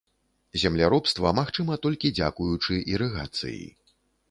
Земляробства магчыма толькі дзякуючы ірыгацыі.